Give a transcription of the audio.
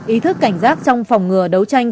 ý thức cảnh giác trong phòng ngừa đấu tranh